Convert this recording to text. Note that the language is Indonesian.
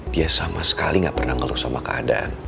dia sama sekali gak pernah ngeluk sama keadaan